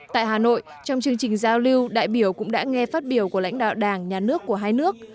tại hà nội trong chương trình giao lưu đại biểu cũng đã nghe phát biểu của lãnh đạo đảng nhà nước của hai nước